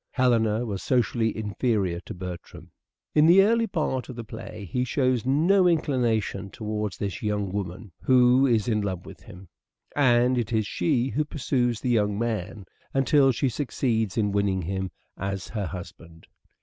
Helena was socially inferior to Bertram. 253 254 " SHAKESPEARE " IDENTIFIED In the early part of the play he shows no inclination towards this young woman who is in love with him, and it is she who pursues the young man until she succeeds in winning him as her husband.